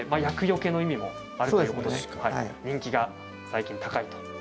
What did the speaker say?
厄よけの意味もあるということで人気が最近、高いと。